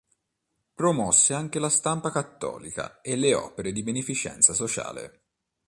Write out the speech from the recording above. Promosse anche la stampa cattolica e le opere di beneficenza sociale.